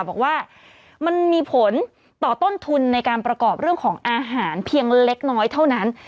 บอกว่ามันมีผลต่อต้นทุนในการประกอบเรื่องของอาหารเพียงเล็กน้อยเท่านั้น